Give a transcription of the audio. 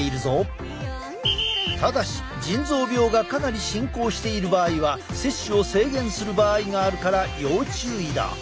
ただし腎臓病がかなり進行している場合は摂取を制限する場合があるから要注意だ。